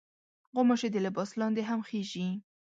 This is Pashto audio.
غوماشې د لباس لاندې هم خېژي.